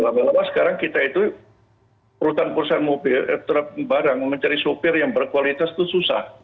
lama lama sekarang kita itu perusahaan perusahaan barang mencari sopir yang berkualitas itu susah